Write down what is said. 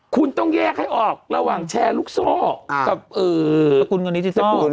คุณต้องแยกให้ออกระหว่างแชร์ลูกซ่อกับสกุลเงินดิจิทัล